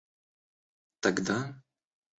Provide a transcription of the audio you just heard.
тогда